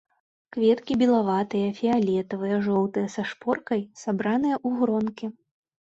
Кветкі белаватыя, фіялетавыя, жоўтыя са шпоркай, сабраныя ў гронкі.